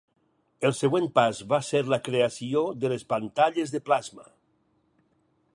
El següent pas va ser la creació de les pantalles de plasma.